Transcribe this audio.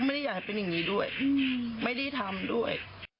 แล้วไม่ได้อยากจะเป็นอย่างงี้ด้วยอืมไม่ได้ทำด้วย